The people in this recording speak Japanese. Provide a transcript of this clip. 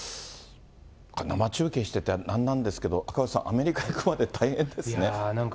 生中継してて何なんですけど、赤星さん、アメリカに行くまで大変なんか